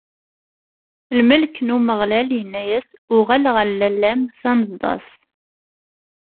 Lmelk n Umeɣlal inna-as: Uɣal ɣer lalla-m tanzeḍ-as.